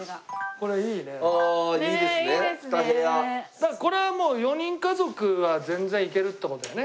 だからこれはもう４人家族は全然いけるって事よね。